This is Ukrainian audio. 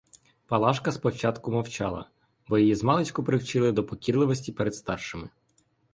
Палажка спочатку мовчала, бо її змалечку привчили до покірливості перед старшими.